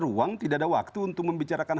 ruang tidak ada waktu untuk membicarakan